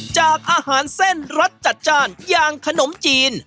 จากอาหารเส้นรสจัดจ้านอย่างขนมจีน